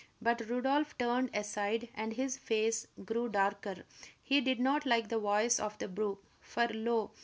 But Rodolph turned aside and his face grew darker. He did not like the voice of the brook; for, lo!